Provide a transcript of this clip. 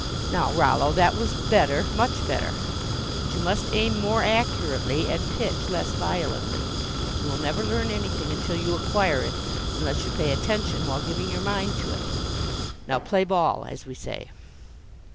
Now, Rollo, that was better; much better. But you must aim more accurately and pitch less violently. You will never learn anything until you acquire it, unless you pay attention while giving your mind to it. Now, play ball, as we say."